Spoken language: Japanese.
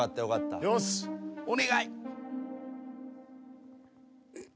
お願い。